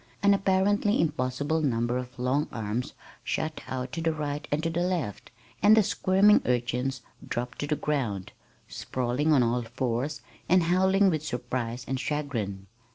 An apparently impossible number of long arms shot out to the right and to the left, and the squirming urchins dropped to the ground, sprawling on all fours, and howling with surprise and chagrin.